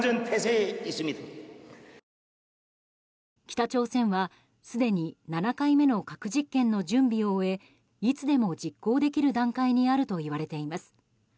北朝鮮は、すでに７回目の核実験の準備を終えいつでも実行できる段階にあるといわれています。